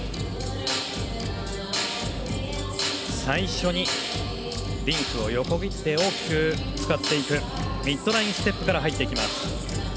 最初にリンクを横切って大きく使っていくミッドラインステップから入っていきます。